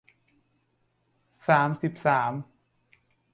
สามสิบสาม